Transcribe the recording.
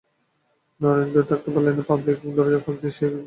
নন্দরানী থাকতে পারলেন না, পালকির দরজা ফাঁক করে সে দিকে চেয়ে দেখলেন।